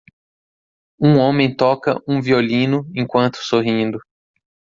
Um homem toca um violino enquanto sorrindo.